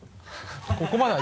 ここまでは。